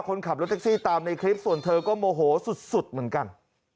คนขับรถแท็กซี่ตามในคลิปส่วนเธอก็โมโหสุดเหมือนกัน